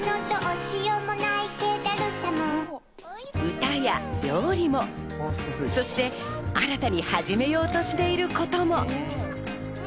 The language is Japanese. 歌や料理も、そして新たに始めようとしていることも。